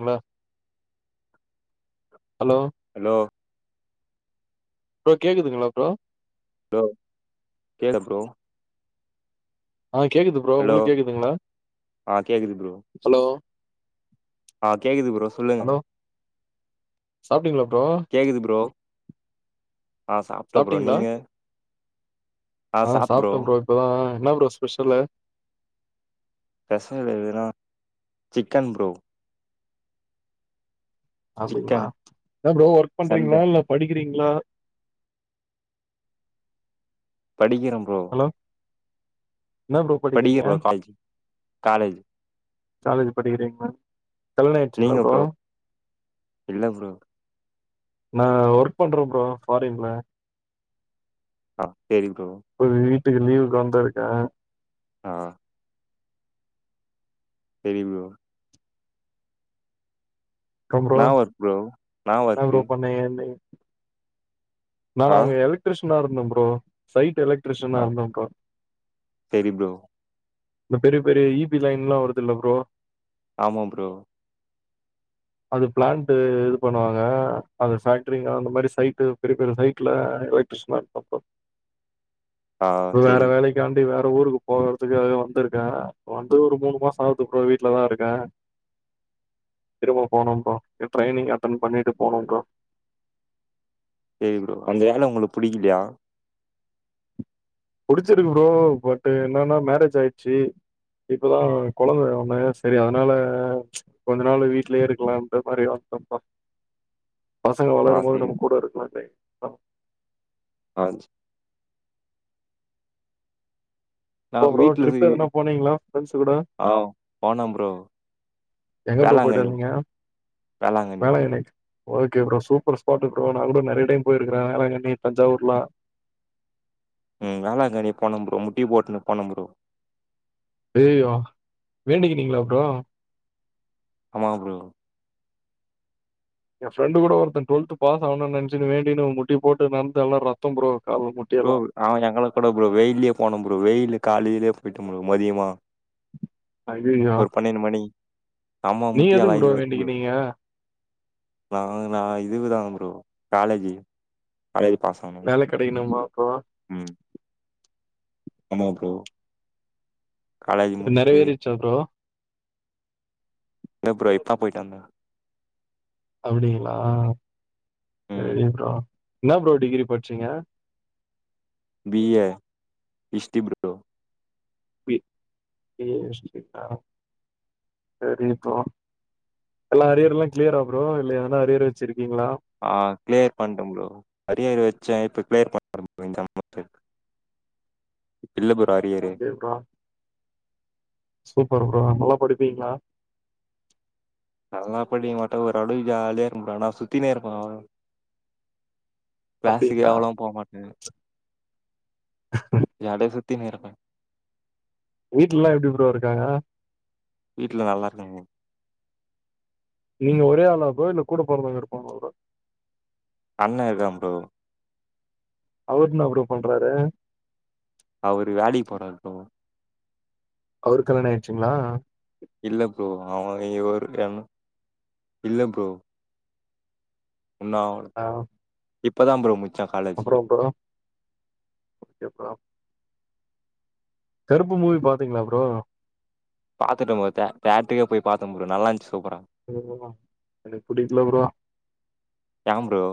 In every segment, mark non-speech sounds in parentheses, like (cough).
Hello hello hello bro கேக்குதுங்களா bro bro கேக்தா bro ஆ கேக்குது ப்ரோ ஹலோ உங்களுக்கு கேக்குதுங்களா ஆ கேக்குது ப்ரோ ஹலோ ஆ கேக்குது ப்ரோ சொல்லுங்க ஹலோ சாப்ட்டீங்களா ப்ரோ கேக்குது ப்ரோ ஆ சாப்பிட்டே ப்ரோ சாப்ட்டீங்களா நீங்க ஆ சப்பிட்டே ப்ரோ இப்பதா என்ன ப்ரோ ஸ்பெஷல்லு பசங்க வெளியருக்குறோம் சிக்கன் ப்ரோ அப்படிங்களா சிக்கன் என்ன ப்ரோ ஒர்க் சண்டே பண்றீங்களா இல்ல படிக்றீங்களா படிக்கிறோம் ப்ரோ ஹலோ என்ன ப்ரோ பட்டிக்குறீங்க படிக்கிறே ப்ரோ காலேஜ் காலேஜ் காலேஜ் படிக்கிறீங்களா கல்யண ஆயிச்சிங்களா ப்ரோ இல்ல ப்ரோ நா ஒர்க் பண்றேன் ப்ரோ ஃபாரின்ல ஆ சேரி ப்ரோ இப்ப வீட்டுக்கு லீவுக்கு வந்துருக்கேன் ஆ தெரியும் ப்ரோ கம் ப்ரோ என்னா ஒர்க் ப்ரோ என்னா என்ன ஒர்க்கு ப்ரோ பண்ணிங்க நிங் நானு ஆ அங்க எலக்ட்ரிஷனா இருந்தோம் ப்ரோ சைட் எலக்ட்ரிஷனா ஆ இருந்தோம்ப்பா சேரி ப்ரோ இந்த பெரிய பெரிய இ பி லைன் எல்லா வருதுல ப்ரோ ஆமா ப்ரோ அது பிளான்ட் இது பண்ணுவாங்க அது ஃபேக்டரிங்க அந்த மாரி சைட்டு பெரிய பெரிய சைட்ல எல்ல க்ட்ரியன் இருப்ப ஆ வேற சேரி வேலை க்காண்டி வேற ஊருக்கு போகறதுக்காக வந்திருக்கே வந்து ஒரு மூணு மாசம் ஆகுது ப்ரோ வீட்டுல தா இருக்க திரும்பவும் போவனும் ப்ரோ இப் ட்ரரைனிங் அட்டன் பண்ணிட்டு போவனும் ப்ரோ சேரி ப்ரோ அந்த வேல உங்களுக்கு புடிக்கலையா புடிச்சிருக்கு ப்ரோ பட் என்னன்னா மேரேஜ் ஆயிடுச்சு இப்பதா குழந்த ஒண்ணு சேரி அதனால கொஞ்ச நாள் வீட்லயே இருக்கலா இந்த மாரி வந்ததோம்ப்பா பசங்க ஆ வளரும்போது சேரி நம்ம கூட இருக்கலா இலைங் ஆஞ் நா அப்போ ப்ரோ வீட்ல ட்ரிப் போய் எதனா போனீங்களா ஃப்ரெண்ஸ் கூட ஆ போனே ப்ரோ எங்க ப்ரோ போயிட்ட வேளாங்கண்ணி வந்தீங்க வேளாங்கண்ணி. வேல என்னை okay bro super spot bro நா கூட நிறைய டைம் போயிருக்கேன் வேலங்கண்ணி தஞ்சாவூர்லா உம் வேளாங்கண்ணி போன ப்ரோ முட்டி போட்டுன்னு போன ப்ரோ அய்யயோ வேண்டிக்கினீங்களா‌ ப்ரோ ஆமா ப்ரோ ஏ ஃப்ரெண்டு கூட ஒரு ஒருத்தன் டுவெல்த் பாஸ் ஆனனு நினைச்சு வேண்டின்னு முட்டி போட்டு நடந்து எல்லாம் ரத்தம் ப்ரோ கால்முட் ப்ரோ அவன் எங்கள கூட ப்ரோ வெயில்லேயே போனும் ப்ரோ வெயில் காலையிலே போயிட்டம் ப்ரோ மதியமா ஐயய்யோ ஒரு பன்னெண்டு மணி அம்மா நீங்க முட்டி நல்ல எதுக்கு இது வக் ப்ரோ வேண்டிக்கினீங்க நா நா இது தா ப்ரோ காலேஜ் காலேஜ் பாஸ் ஆனு வேல கெடைக்கணுமா அப்போ ம் ஆமா ப்ரோ காலேஜ் முடிச்சுட்டு நெறவேறிருச்சா ப்ரோ இல்ல ப்ரோ இப்ப தா போயிட்டு வந்த அப்டிங்களா ம். சரி ப்ரோ என்ன ப்ரோ டிகிரி படிச்சீங்க B A history bro B A history ஆ செரி ப்ரோ எல்லா அரியர் எல்லா கிளியர் ஆ ப்ரோ இல்ல எதன அரியர் வச்சிருக்கீங்களா ஆ கிளியர் பண்ட ப்ரோ அரியர் வச்சே இப்ப கிளியர் பண்ணிடே ப்ரோ இந்த மந்த் இல்ல ப்ரோ ஓ அரியரு. செரி ப்ரோ சூப்பர் ப்ரோ நல்லா படிப்பீங்களா நல்லா படிக்க மாட்ட ஓரளவுக்கு ஜாலியா இருக்க ஆனா சுத்தினே இருப்ப ப்ரோ கிளாஸுக்கு அப்டிங்களா அவ்வளவா போ மாட்ட (inaudible) ஜாலியா சுத்தினு இருப்ப வீட்லெல்லா எப்டி ப்ரோ இருக்காங்க வீட்ல நல்லா இருக்காங்க நீங்க ஒரே ஆளா ப்ரோ இல்ல கூட பொறதங்க இருப்ப அண்ண இருக்கா ப்ரோ அவர் என்ன ப்ரோ பண்றாரு அவுரு வேலைக் போறார் ப்ரோ அவுருக் கல்யாணம் ஆயிருச்சுங்ளா இல்ல ப்ரோ அவங்களே எதோ இருக்குறாங்கா இல்ல ப்ரோ இன்னு ஆவ்ல ஆவு இப்பதா ப்ரோ மு அப்பறோ எப்பறோ கருப்பு மூவி பாத்தீங்ளா ப்ரோ பாத்துட்ட ப்ரோ தேட் தேட்ருக்கு போய் பாத்த ப்ரோ நல்லா இருந்ச்சு சூப்பரா எனக்கென்ன எனக் புடிக்கல ப்ரோ ஏ ப்ரோ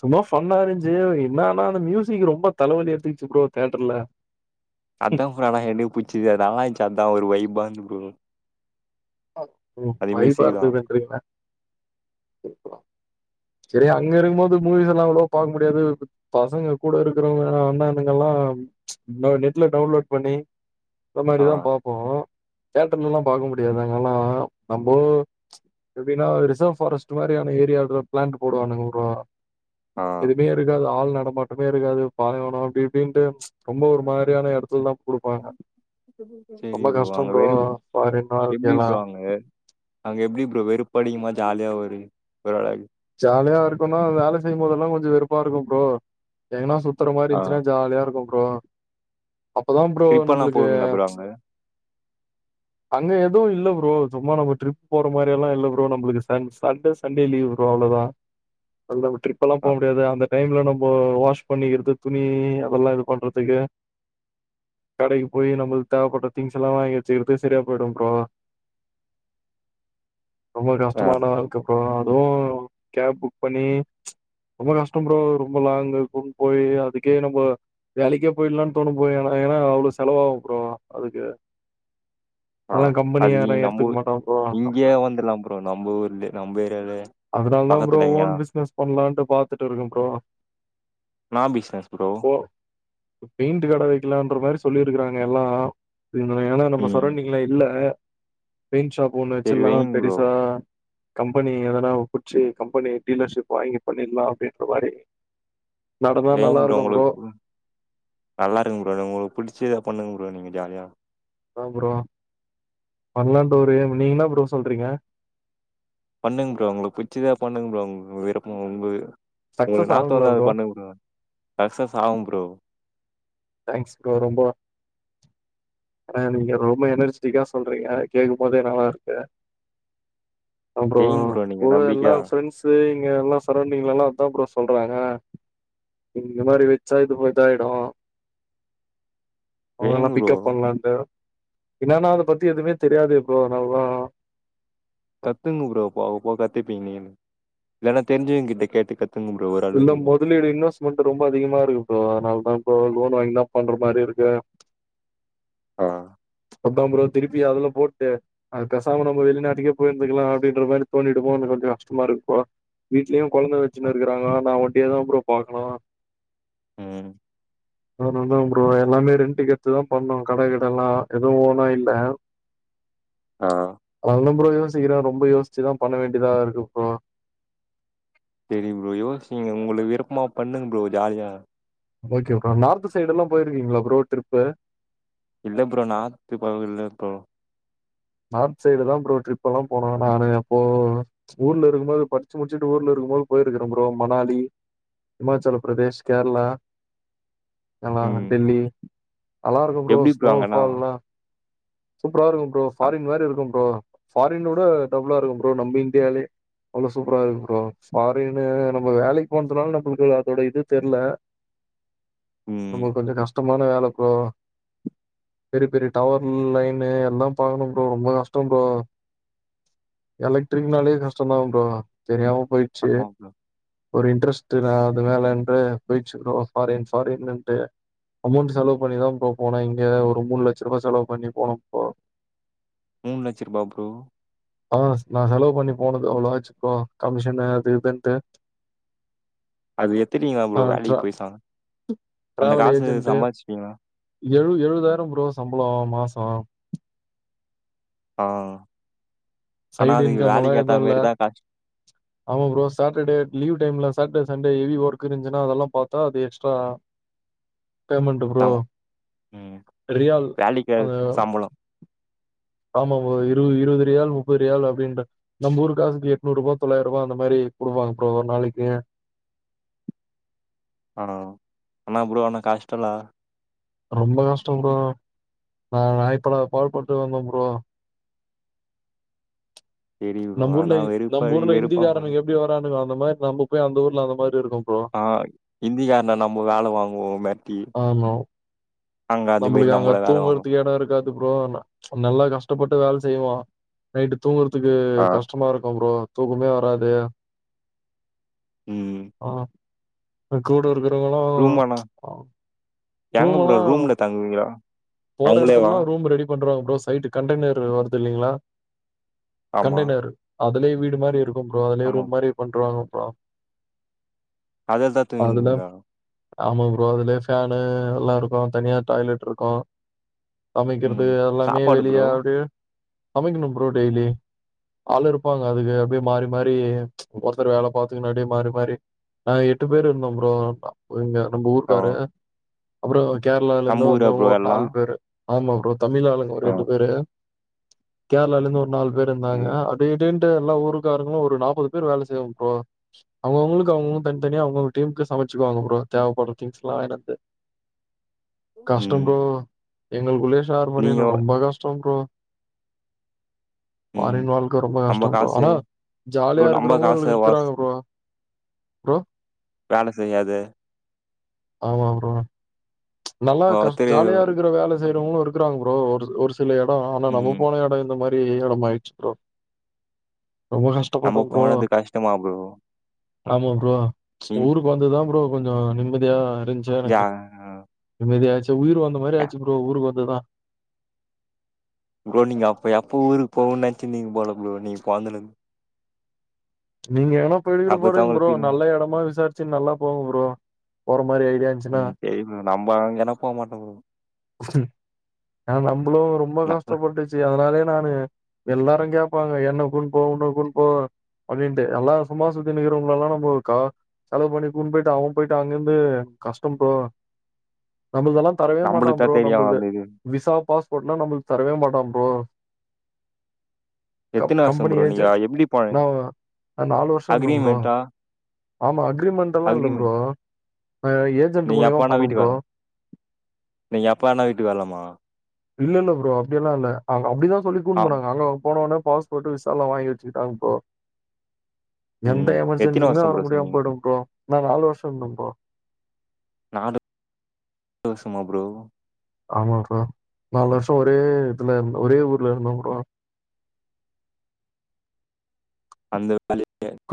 சும்மா ஃபன்னா இருந்ச்சு என்னான்னா அந்த மியூசிக் ரொம்ப தலவலி எடுத்துக்கிச்சு ப்ரோ தேட்டர்ல அதா ஃபனா எனக் புடிச்சது அது நல்லாந்ச்சி அதா ஒரு வைபா இந்துது ப்ரோ ம் அது வைபா மியூசிக் தா இருந்துதுன்றிகளா செரி அங்க இருக்கும்போது மூவிஸ் எல்லா அவ்ளோ பாக்க முடியாது பசங்க கூட இருக்குறவங்களா அண்ணண்ணுகளா எல்லா நெட்ல டவுன்லோட் பண்ணி இந்த ஆ மாரிதா பாப்போ தேட்டர்லல்லா பாக்க முடியாது அங்கல்லா நம்போ எப்டின்னா ஒரு ரிசர்வ் ஃபாரஸ்ட் மாரியான ஏரியாக்குள்ள பிளான்ட்டு போடுவானுங்க ஆ எதும் இருக்காது ஆள் நடமாட்டமே இருக்காது பாலைவன அப்டி இப்டின்ட்டு ரொம்ப ஒரு மாரியான எடத்துல தா குடுப்பாங்க சரி ரொம்ப கஷ்டம் அங்க ப்ரோ வெறு பாதி நாள் எப்டி ப்ரோ அங்க அங்க எப்டி ப்ரோ வெறுப்படிக்குமா ஜாலியா ஒரு ஒரு அளவுக் ஜாலியா இருக்கும்ன்னா வேல செய்யும்போதெல்லா கொஞ்சோ வெறுப்பா இருக்கு ப்ரோ எங்கனா சுத்துற மாரி ஆ இந்ச்சுன்னா ஜாலியா இருக்கும் ப்ரோ அப்பதா ப்ரோ ட்ரிப்பெல்லா நம்புளுக்கு போவீங்களா ப்ரோ அங்க அங்க எதும் இல்ல ப்ரோ சும்மா நம்ம ட்ரிப் போற மாரி எல்லா இல்ல ப்ரோ நம்புளுக்கு sun Sunday Sunday leave bro அவ்ளோதா அங்க ட்ரிப்பெல்லா ஆ போ முடியாது அந்த டைம்ல நம்போ வாஷ் பண்ணிக்கிறது துணி அதெல்லா இது பண்றதுக்கு கடைக்கு போயி நம்ளுக் தேவப்பட்ட திங்ஸ் எல்லா வாங்கி வச்சுக்கிற்துக்கு சரியா போயிடும் ப்ரோ ரொம்ப ஆ கஷ்டமான ஆள்க்கு அப்புறோ அதுவும் கேப் புக் பண்ணி ரொம்ப கஷ்டம் ப்ரோ ரொம்ப லாங்க்கு கூட்டுன் போய் அதுக்கே நம்போ வேலைக்கே போயில்லான் தோணும் ப்ரோ ஏன்னா அவ்ளோ செலவாகும் ப்ரோ அதுக்கு ஆ அதெல்லாம் அது இ கம்பெனிக்கார எடுத்துக்க மாட்டா ப்ரோ இப்ப நம்ப ஊர்லே நம்ப ஏரியாவ்லே அதுனால தா ப்ரோ ஓன் பிஸ்னஸ் பண்லான்ட்டு பாத்துட்டு இருக்க ப்ரோ இன்னா பிஸ்னஸ் ப்ரோ இப்ப பெயிண்ட்டு கட வெக்கலான்ற மாரி சொல்லிருக்கறாங்க எல்லா இங்க வேற நம்ப ம் சரவ்ண்டிங்லா இல்ல பெயிண்ட் ஷாப் ஒண்ணு சரி வச்சில்லா வைங்க ப்ரோ பெருசா கம்பெனி எதனா புச்சு கம்பெனி டீலர்ஷிப் வாங்கி பண்ணிலா அப்டின்ற மாரி நடந்தா வைங்க நல்லா இருக்கும் ப்ரோ உங்களுக்கு நல்லா இருக்கும் ப்ரோ நீ உங்ளுக் புடிச்சுதா பண்ணுங்க ப்ரோ நீங்க ஜாலியா அதா ப்ரோ பண்லான்ட்டு இருக்குற நீங்க இன்னா ப்ரோ சொல்றீங்க பண்ணுங் ப்ரோ உங்களுக்கு பிடிச்சிதா பண்ணுங் ப்ரோ அவங்ளுக் விருப்பம் வந்து உங்ளுக் சக்சஸ் இன்னா தோண்ந்தோ ஆகுங்களா வந்து அது பண்ணுங் ப்ரோ சக்சஸ் ஆகும் ப்ரோ தேங்க்ஸ் ப்ரோ ரொம்ப ஆனா நீங்க ரொம்ப எனர்ஜிட்டிக்கா சொல்றீங்க கேக்கம் போதே நல்லாருக்கு அப்பறோ வைங்க ப்ரோ நீங்க கூட எல்லா நம்பிக்கையா ஃப்ரண்ஸ் வந்து இங்க எல்லா சரோண்டிங்லல்லா அப்டிதா ப்ரோ சொல்றாங்க இங்க மாரி வச்சா இது போ இதாய்டு அவுங்கல்லா வைங்க ப்ரோ பிக்கப் பண்லான்ட்டு என்னானா அது பத்தி எதுமே தெரியாது ப்ரோ அதுனால்தா கத்துகங்க ப்ரோ பாவ போக கத்துப்பீங்க நீங்க இல்லேனா தெருஞ்சவுங்க கிட்ட கேட்டு கத் இல்ல மொதலீடு இன்வஸ்ட்மண்ட் ரொம்ப அதிகமா இருக்கு ப்ரோ அதுனால தா இப்போ லோன் வாங்கிதா பண்ற மாரி இருக்கு ஆ அதா ப்ரோ திருப்பி அதுல போட்டு அதுக்கு பேசாம நம்ம வெளிநாட்டுக்கே போயிருந்துக்கலா அப்டின்ற மாரி தோணிடுமோ கொஞ்சோ கஷ்டமா இருக்கு ப்ரோ வீட்லயு கொழந்த ஆ. வச்சுன்னு இருக்குறாங்க நா ஒண்டியாதா ப்ரோ பாக்கனு ம் அதுனால தா ப்ரோ எல்லாமே ரெண்டுக்கு எத்து தா பண்ணு கட கிடல்லா எது ஓனா இல்ல ஆ அதுலா அப்பறோ யோசிக்கிறோ ரொம்ப யோஸ்ச்சுதா பண்ண வேண்டியதா இருக்கு ப்ரோ சேரிங் ப்ரோ யோசிக்க உங்கள விருப்பமா பண்ணுங்க ப்ரோ ஜாலியா ஓகே ப்ரோ நார்த்து சைடல்லா போயிருக்கீங்களா ப்ரோ ட்ரிப்பு இல்ல ப்ரோ நார்த்து பகு இல்ல ப்ரோ நார்த்து சைடு தா ப்ரோ ட்ரிப்பல்லா போனோ நானு அப்போ ஊர்ல இருக்கம்போது படுச்சு முடுச்சுட்டு ஊர்ல இருக்கம்போது போயிருக்கிறோ ப்ரோ மணாலி இமாச்சல பிரதேஷ் கேரளா எல்லா ம். டெல்லி நல்லாருக்கு ப்ரோ எப்டி ஸ்னோ அங்கன்னா? ஃபால்லா சூப்பரா இருக்கு ப்ரோ அ ஃபாரின் மாரி இருக்கு ப்ரோ ஃபாரின விட டபுளா இருக்கு ப்ரோ நம்ம இன்டியாலயே அவ்ளோ சூப்பரா இருக்கு ப்ரோ ஃபாரின்னு நம்ம வேலைக்கி போனதுனால நம்மளுக்கு அதோட இது தெர்ல ம். நமளுக்கு கொஞ்சோ கஷ் கஷ்டமான வேல ப்ரோ பெரிய பெரிய டவர் லைனு எல்லா பாக்கனு ப்ரோ ரொம்ப கஷ்டோ ப்ரோ எலக்ட்ரிக்னாலே கஷ்டந்தா ப்ரோ தெரியாம போய்டுச்சு ஆமா ப்ரோ. ரூ. ஒரு இன்ட்ரஸ்ட் நா அதுனாலன்று போய்ருச்சு ப்ரோ ஃபாரின் ஃபாரின்னுட்டு அமோண்ட்டு செலவு பண்ணிதா ப்ரோ போனே இங்க ஒரு மூணு லட்ச ரூபா செலவு பண்ணி போனே ப்ரோ மூணு லட்ச ரூபா ப்ரோ ஆ நா செலவு பண்ணி போனது அவ்ளோ ஆச்சு ப்ரோ கமிஷனு அது இதுன்ட்டு அது எத்துட்டீங்களா ஆ ப்ரோ ட்ரா வேலைக்கு போய் ச அந்த டிராவல் காசு ஏஜென்ட்டு சம்பாதுச்சுபீங்ளா எழு எழுவதாயிரோ ப்ரோ சம்பளோ மாசோ ஆ ஆனா சைடு அதுக்கு இன்கம்லா வேலக்கி ஏத்தா எதுவு இல்ல. மாரிதா காஷ் ஆமா ப்ரோ சாட்டடே லீவு டைம்ல சாட்டடே சண்டே ஹெவி ஒர்க் இருந்துச்சுனா அதல்லா பாத்தா அது எக்ஸ்ட்ரா பேமண்ட்டு ப்ரோ சம் ம். ரியால் வேலைக்கு ஏ அந்த சம்பளம். ஆமா ப்ரோ இரு இருவது ரியால் மு முப்பது ரியால் அப்டின்ற நம் ஊரு காசுக்கு எட்னூறு ரூபா தொள்ளாயிர ரூபா அந்த மாரி குடுப்பாங்க ப்ரோ ஒரு நாளக்கி ஆனா ஆனா ப்ரோ ஆனா கஷ்டோல்ல ரொம்ப கஷ்டோ பரோ நா நாய்படாத பாடு பட்டு வந்தே ப்ரோ சரி ப்ரோ. நம்ம ஊர்ல ஆனா வெறுப்பா நம் ஊர்ல வெறுப்பா போல. இந்திக்காரனுங்க எப்டி வரானுங்க அந்த மாரி நம்ம போய் அந்த ஊர்ல அந்த மாரி இருக்கோ ப்ரோ ஆ இந்திகாரன நம்ம வேல வாங்குவோமே ஆனு மாரி நம்மளுக்கு அங்க நம்மள வேல வாங்குவோம். தூங்குறதுக்கு எடோ இருக் அதாவ்து ப்ரோ நல்லா கஷ்டப்பட்டு வேல செய்வோ நைட்டு தூங்குறதுக்கு ஆ. கஷ்ட சும்மா இருக்கொ ப்ரோ தூக்கமே வராது ம். ஆ இது கூட இருக்கிறவங்களு ஏங்க ரூம் ப்ரோ எல்லா ரூம்ல தங்குவீங்களா போற அவங்களேவா? இடத்துலல்லா ரூம் ரெடி பண்ணிடுவாங்க ப்ரோ சைட்டு கண்டேனைர் வருது இல்லிங்களா ஆமா. கண்டெய்னர் அதுலயே வீடு மாரி இருக்கு ப்ரோ அதுலயே ஆமா. ரூம் மாரி பண்ருவாங்க ப்ரோ அதுலதா அதுல தூங்குவிங்களா ஆமா ப்ரோ அதுலே ஃபேனு எல்லா இருக்கு தனியா டாய்லெட்ருக்கு சமைக்கிறது ம். எல்லாமே சாப்பாடு வெளிய ப்ரோ? அப்பிடியெ சமைக்கணு ப்ரோ டெய்லி ஆளு இருப்பாங்க அதுக்கு அப்டியே மாறி மாறி ஒருத்தர் வேல பாத்துங்குன்னு அப்டியே மாறி மாறி நாங்க எட்டு பேர் இருந்தோ ப்ரோ இங்க நம்ம ஆ. ஊருக்காரு அப்புறோ கேரளாவுல இருந்து நம்ம வந்த ஊரா ப்ரோ ஒரு எல்லா? நாலு பேரு ஆமா ப்ரோ தமிழாலுங்க ஒரு ஆ. எட்டு பேரு கேரளால இருந்து ஒரு நாலு பேரு இருந்தாங்க சரி ப்ரோ. அத் பெடிட்ன்டு எல்லா ஊருக்காரங்களு ஒரு நாப்பது பேரு வேல செய்வோ ப்ரோ அவங்கவுங்களுக்கு அவுங்கவுங்க தனிதனிய அவ்ங்க டீமுக்கு சமைச்சுக்குவாங்க ப்ரோ தேவப்படுற திங்ஸ் எல்லாவாங்கினு என்ந்து கஷ்டோ ம். ப்ரோ எங்களுக்குள்ளயே ஷேறு நீங்க பண்ணிணு ரொம்ப கஷ்டோ ப்ரோ ம். ஃபாரின் வாழ்க்க ரொம்ப நம்ம கஷ்டம் ப்ரோ காசு ஆனா ப்ரோ ஜாலியா நம்ம இருக்கிறவுங்கள் காசு வாஸ் இருக்கறாங்க ப்ரோ ப்ரோ வேல செய்யாது ஆமா ப்ரோ நல்லா கஷ் ஒருத்தரு ஜாலியா இருக்கிற வேல செய்யறவங்களு இருக்கிறாங்க ப்ரோ ஒரு ஒரு சில இடோ ஆனா நம்ம ம். போன இடோ இந்த மாரி ப்பே எடமாயிடுச்சு ப்ரோ ரொம்ப நம்ம கஷ்டப்பட்டோ ப்ரோ போனது கஷ்டமா ப்ரோ? ஆமா ப்ரோ ம். ஊருக்கு வந்துதா ப்ரோ கொஞ்ச நிம்மதியா இருந்ஞ் யா நிம்மதியாச்சு உயிர் வந்த மாரி யா ஆச்சு ப்ரோ ஊருக்கு வந்துதா ப்ரோ நீங்க அப்ப எப்ப ஊருக்ககு போவோன்னு நெனைச்சீனு இருந்தினங்க போல ப்ரோ நீங்க போந்துலருந்து நீங்க ஏனா போய்க்கட்டு அப்பத்தா போறீங்க உங்களுக்கு ப்ரோ ஃபீல் நல்ல எடமா விசாரிச்சு நல்லா போங்க ப்ரோ போற மாரி ஐடியா இருந்துச்சுன்னா. ம் என நம்பா என போக மாட்டே ப்ரோ பஸ்டு ஆ நம்பளு ரொம்ப நம்ம கஷ்டப்பட்டுச் சு அதனாலே நானு எல்லாரு கேப்பாங்க என்ன கூட்ன் போ உன்ன கூட்ன் போ அப்டின்ட்டு எல்லா சும்மாசுத்தினு இருக்கிறவங்கள எல்லா நம்ம இருக்கா செலவு பண்ணிகுனு கூட்டுபோயிட்டா அவ போய்ட்டா அங்க இருந்து கஷ்டம் ப்ரோ நம்மதெல்லா தரவே மாட்டா நம்மளுக்கு ப்ரோ தான் தெரியும் நம்மளது அந்த இது. விசா பாஸ்போட் எல்லா நம்மளுக்கு தரவே மாட்டா ப்ரோ கம் எத்தன வருஷம் கம்பெனி ப்ரோ? நீங்க ஏஜென்ட் எப்டி ப நா நாலு வருஷோ இருந்தே ப்ரோ அக்ரிமெண்ட்டா? ஆமா அக்ரிமெண்ட்யெல்லா இல்ல அக்ரிமெண்ட். ப்ரோ ஏஜெண்ட் நீங்க எப்ப மூலிமா வேணா போன வீட்டுக்கு ப்ரோ வரலாம். நீங்க எப்பா வேணா வீட்டுக்கு வரலாமா இல்ல இல்ல ப்ரோ அப்டியெல்லா இல்ல அவுங்க அப்டிதா சொல்லி கூட்டு ஆம். போணாங்க அங்க போனோனே பாஸ் போட் விசா எல்லா வாங்கி வச்சுக்கிட்டாங்க ப்ரோ எந்த ம். எத்தன எமர்ஜென்சியுமே வருஷம் வர ப்ரோ முடியாம சொன்னீங்க? போயிடு ப்ரோ நா நாலு வருஷோ இருந்தம்ப்ரோ நாலு (unintelligible) வருசமா ப்ரோ ஆமா ப்ரோ நாலு வருஷோ ஒரே இதுல இருந்து ஒரே ஊர்ல இருந்தோ ப்ரோ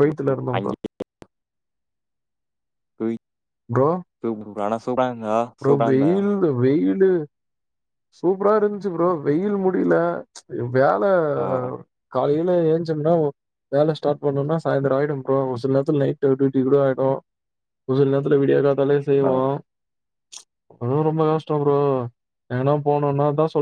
குவைத்துல இருந்தோ ப்ரோ ப்ரோ இப்ப இவுங்க வேல சொல்றாங்க ப்ரோ வெயில் வெயில்லு சூப்பரா இருந்துச்சு ப்ரோ வெயில் முடியல வேலை ஆ. காலையில ஏச்சோம்னா வேலை ஸ்டார்ட் பண்ணோம்ன்னா சாயந்திரம் ஆயிடும் ப்ரோ ஒரு சில நேரத்தில் நைட் டியூட்டி கூட ஆயிடு ஒரு சில நேரத்துல விடியகாத்தாலே ஆ. செய்வோ அதுவு ரொம்ப கஷ்டம் ப்ரோ ஏனா போணும்னா தா சொல்